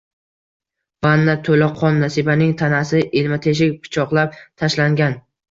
Vanna to`la qon, Nasibaning tanasi ilma-teshik pichoqlab tashlangan